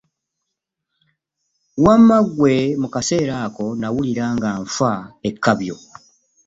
Wamma ggwe mu kaseera ako nawulira nga nfa ekkabyo!